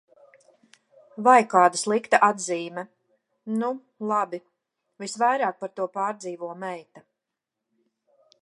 Vai kāda slikta atzīme. Nu, labi. Visvairāk par to pārdzīvo meita.